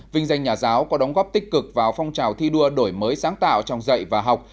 vinh danh nhà giáo có đóng góp tích cực vào phong trào thi đua đổi mới sáng tạo trong dạy và học